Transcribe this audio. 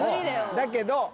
だけど。